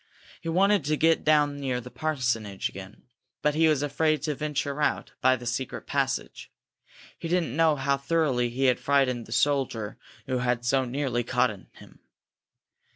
He wanted to get down near the parsonage again, but he was afraid to venture out by the secret passage. He didn't know how thoroughly he had frightened the soldier who had so nearly caught him.